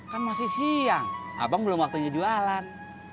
kan masih siang abang belum waktunya jualan